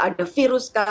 ada virus kah